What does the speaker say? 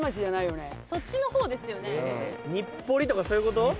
そっちの方ですよね。とかそういうこと？